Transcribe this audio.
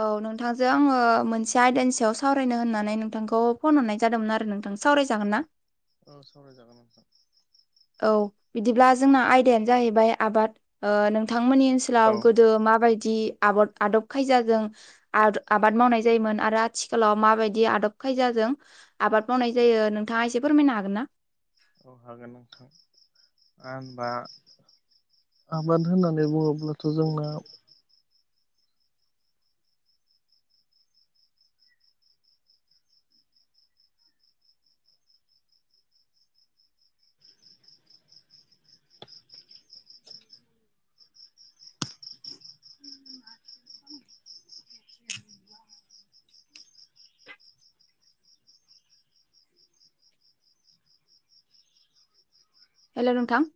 औ नोंथांजों आङो मोनसे आयदानि सायाव सावरायनो होननानै नोंथांखौ फन हरनाय जादोंमोन आरो नोंथां सावरायजागोन ना औ सावरायजागोन नोंथां औ बिदिब्ला जोंना आयदायानो जाहैबाय आबाद ओ नोंथांमोननि ओन औ ओनसोलाव गोदो माबायदि आबद आदब खायजाजों आद आबाद मावनाय जायोमोन आरो आथिखालाव माबायदि आदब खायजाजों आबाद मावनाय जायो नोंथाङा एसे फोरमायनो हागोन ना अ हागोन नोंथां होनबा आबाद होननानै बुङोब्लाथ' जोंना हेल' नोंथां